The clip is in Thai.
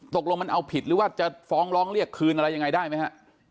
ตกลงมันเอาผิดหรือว่าจะฟ้องร้องเรียกคืนอะไรยังไงได้ไหมฮะ